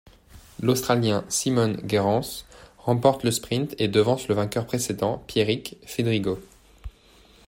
L'Australien Simon Gerrans remporte le sprint et devance le vainqueur précédent Pierrick Fédrigo.